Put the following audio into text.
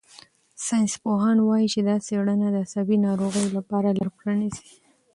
ساینسپوهان وايي چې دا څېړنه د عصبي ناروغیو لپاره لار پرانیزي.